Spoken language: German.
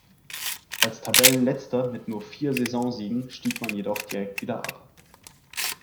Als Tabellenletzter mit nur vier Saisonsiegen stieg man jedoch direkt wieder ab.